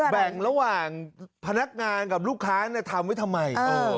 แบ่งระหว่างพนักงานกับลูกค้าทำไว้ทำไม